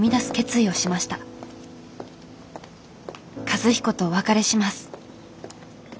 和彦とお別れします。